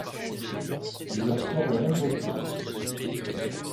Leur corps est rhomboïde.